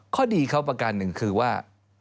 ข้อดีเขาประการหนึ่งคือว่า